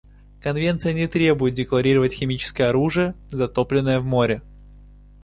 Конвенция не требует декларировать химическое оружие, затопленное в море.